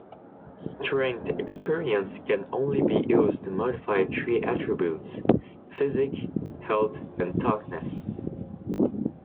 Strength experience can only be used to modify three attributes: Physique, Health, and Toughness.